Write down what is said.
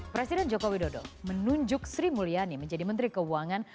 presiden joko widodo menunjuk sri mulyani menjadi menteri keuangan